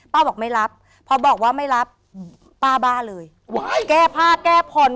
บอกไม่รับพอบอกว่าไม่รับป้าบ้าเลยแก้ผ้าแก้ผ่อน